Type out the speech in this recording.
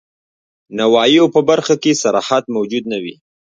نواهیو په برخه کي صراحت موجود نه وي.